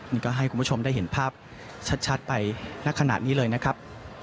นี่ก็ให้คุณผู้ชมได้เห็นภาพชัดไปณขณะนี้เลยนะครับ